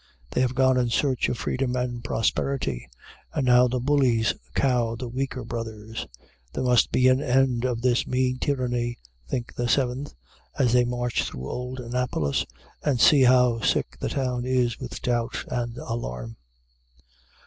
They have gone in search of Freedom and Prosperity; and now the bullies cow the weaker brothers. "There must be an end of this mean tyranny," think the Seventh, as they march through old Annapolis and see how sick the town is with doubt and alarm.